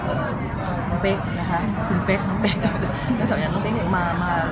ก็ถึงบอกว่าเราได้ไปเจอคุณเป๊กนะคะคุณเป๊กน้องเป๊กสวัสดีครับน้องเป๊ก